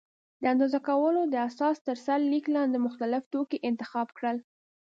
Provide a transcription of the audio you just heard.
د اندازه کولو د اساس تر سرلیک لاندې مختلف توکي انتخاب کړل.